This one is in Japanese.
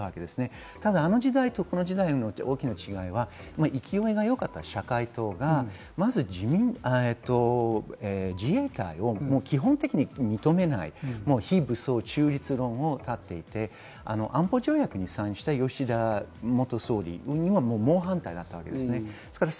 あの時代とこの時代の大きな違いは勢いがよかった社会党が自衛隊を基本的に認めない非武装中立論を立っていて安保条約にサインした吉田元総理には猛反対だったわけです。